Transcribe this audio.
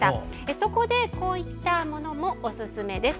そこで、こういったものもおすすめです。